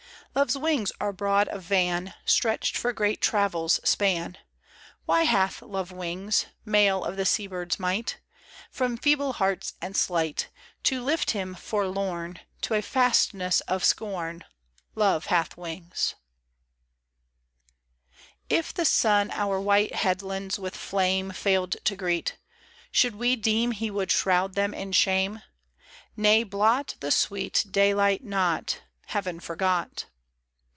Love's wings are broad of van, Stretched for great travel's span. Why hath Love wings. Mail of the sea bird's might ? From feeble hearts and slight To lift him forlorn To a fastness of scorn. Love hath wings. IS IF the sun our white headlands with flame Failed to greet, Should we deem he would shroud them in shame ? Nay, blot The sweet Daylight not ; Heaven forgot.